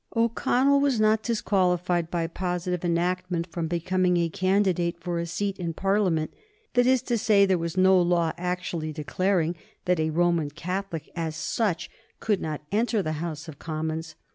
O'Connell was not disqualified by positive enactment from becoming a candidate for a seat in Parliament; that is to say, there was no law actually declaring that a Roman Catholic, as such, could not enter the House of Commons.